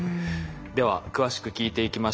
では詳しく聞いていきましょう。